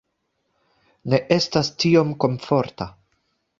Ne estas tiom komforta